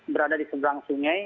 berada di seberang sungai